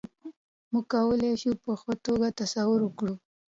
موږ کولای شو په ښه توګه تصور وکړو.